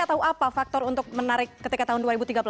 atau apa faktor untuk menarik ketika tahun dua ribu tiga belas